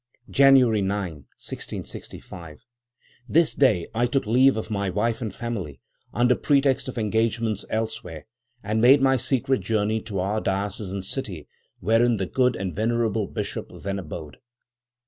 "January 9, 1665.—This day I took leave of my wife and family, under pretext of engagements elsewhere, and made my secret journey to our diocesan city, wherein the good and venerable bishop then abode.